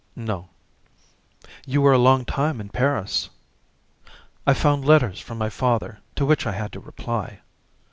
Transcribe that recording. "No." "You were a long time in Paris." "I found letters from my father to which I had to reply."